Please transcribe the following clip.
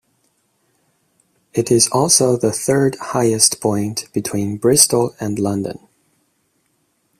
It is also the third highest point between Bristol and London.